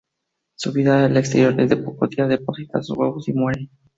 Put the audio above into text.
Su vida al exterior es de pocos días: deposita sus huevos y muere.